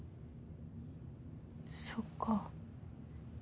そっか。